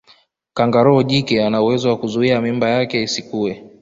Kangaroo jike anauwezo wa kuzuia mimba yake isikue